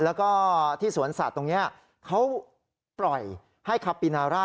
แล้วก็ที่สวนสัตว์ตรงนี้เขาปล่อยให้คาปินาร่า